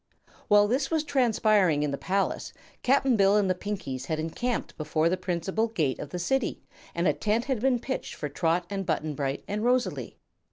While this was transpiring in the palace Cap'n Bill and the Pinkies had encamped before the principal gate of the City and a tent had been pitched for Trot and Button Bright and Rosalie.